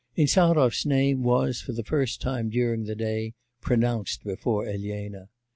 Insarov's name was for the first time during the day pronounced before Elena.